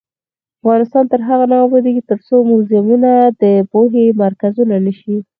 افغانستان تر هغو نه ابادیږي، ترڅو موزیمونه د پوهې مرکزونه نشي.